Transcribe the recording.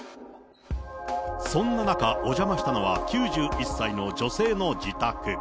そんな中、お邪魔したのは９１歳の女性の自宅。